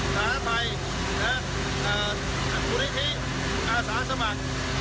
พื้นที่บริเวณนี้มีเจ้าหน้าที่ที่ร่วมกันมาช่วยดับเผลอคือเอ่อ